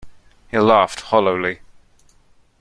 He laughed hollowly.